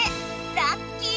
ラッキー！